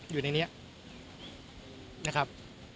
อยู่ในนี้นะครับ